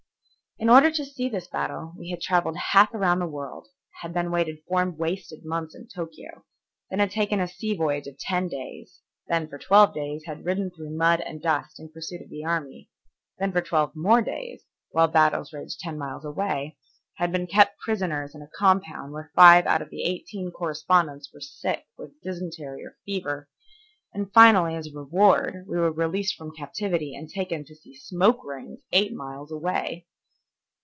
In order to see this battle we had travelled half around the world, had then waited four wasted months at Tokio, then had taken a sea voyage of ten days, then for twelve days had ridden through mud and dust in pursuit of the army, then for twelve more days, while battles raged ten miles away, had been kept prisoners in a compound where five out of the eighteen correspondents were sick with dysentery or fever, and finally as a reward we were released from captivity and taken to see smoke rings eight miles away!